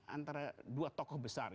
antara dua tokoh besar